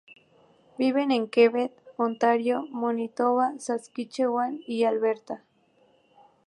Viven en Quebec, Ontario, Manitoba, Saskatchewan y Alberta.